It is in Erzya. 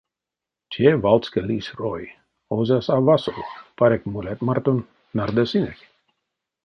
Те валське лиссь рой, озась а васов, паряк, молят мартон, нардасынек?